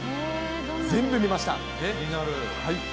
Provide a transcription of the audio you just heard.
全部見ました。